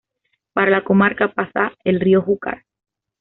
Por la comarca pasa el río Júcar.